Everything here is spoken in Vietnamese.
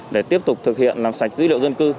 để tiếp tục thực hiện làm sạch dữ liệu dân cư